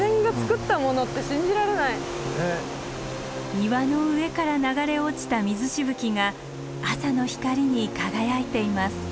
岩の上から流れ落ちた水しぶきが朝の光に輝いています。